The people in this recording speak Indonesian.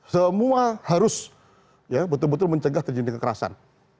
semua harus betul betul mencegah terjadi kekerasan